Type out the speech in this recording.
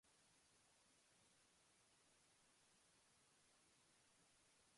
Cuenta con un clima Templado húmedo con abundantes lluvias en verano.